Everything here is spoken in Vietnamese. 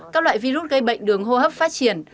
các loại virus gây bệnh đường hô hấp phát triển